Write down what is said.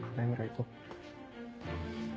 こう。